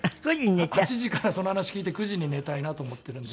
８時からその話聞いて９時に寝たいなと思ってるので。